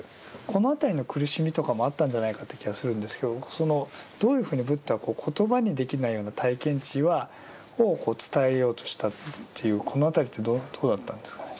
この辺りの苦しみとかもあったんじゃないかって気がするんですけどどういうふうにブッダは言葉にできないような体験知を伝えようとしたというこの辺りってどうだったんですかね。